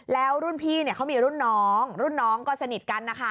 แล้วรุ่นพี่เขามีรุ่นน้องรุ่นน้องก็สนิทกันนะคะ